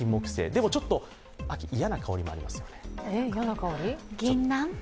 でも、ちょっと秋、嫌な香りもありますよね？